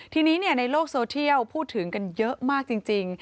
ทีนี้ในโลกโซเทียลพูดถึงกันเยอะมากจริง